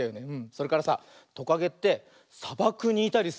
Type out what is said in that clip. それからさトカゲってさばくにいたりするんだよね。